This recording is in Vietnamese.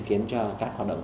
khiến cho các hoạt động